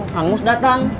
kang mus datang